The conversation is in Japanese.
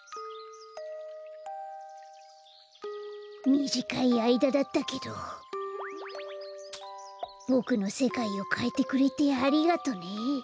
みじかいあいだだったけどボクのせかいをかえてくれてありがとね。